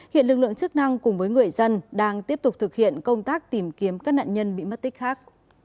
hiện lực lượng chức năng cùng với người dân đang tiếp tục thực hiện công tác tìm kiếm các nạn nhân bị mất tích khác